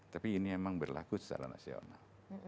tapi ini memang berlaku secara nasional